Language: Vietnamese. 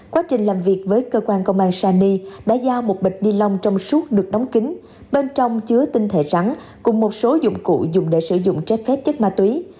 quá trình làm việc với cơ quan công an sany đã giao một bịch ni lông trong suốt được đóng kính bên trong chứa tinh thể rắn cùng một số dụng cụ dùng để sử dụng trái phép chất ma túy